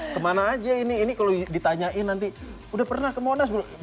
kemana aja ini ini kalau ditanyain nanti udah pernah ke monas belum